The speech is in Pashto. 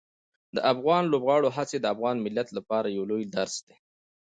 د افغان لوبغاړو هڅې د افغان ملت لپاره یو لوی درس دي.